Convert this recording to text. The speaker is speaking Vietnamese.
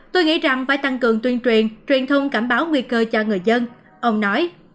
tôi nghĩ rằng phải tăng cường tuyên truyền truyền thông cảnh báo nguy cơ cho người dân ông nói